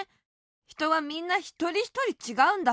ひとはみんなひとりひとりちがうんだ。